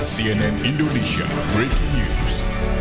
cnn indonesia breaking news